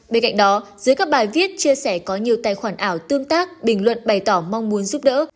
bên cạnh đó dưới các bài viết chia sẻ có nhiều tài khoản ảo tương tác bình luận bày tỏ mong muốn giúp đỡ